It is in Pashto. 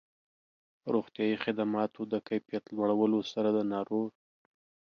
روغتیایي خدماتو د کيفيت لوړولو سره د ناروغ